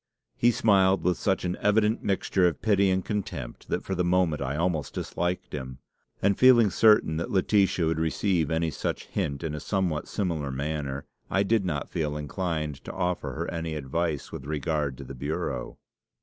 "He smiled with such an evident mixture of pity and contempt that for the moment I almost disliked him; and feeling certain that Laetitia would receive any such hint in a somewhat similar manner, I did not feel inclined to offer her any advice with regard to the bureau.